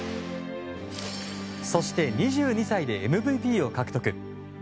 そして、２２歳でＭＶＰを獲得。